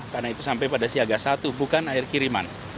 karena itu sampai pada siaga satu bukan air kiriman